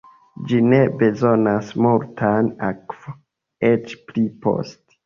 Ĝi ne bezonas multan akvo eĉ pli poste.